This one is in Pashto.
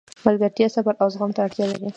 ملګرتیا صبر او زغم ته اړتیا لري.